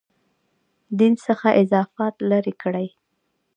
دین څخه اضافات لرې کړي.